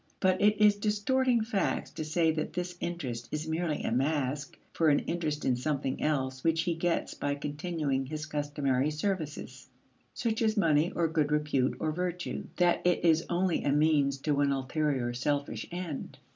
But it is distorting facts to say that this interest is merely a mask for an interest in something else which he gets by continuing his customary services such as money or good repute or virtue; that it is only a means to an ulterior selfish end.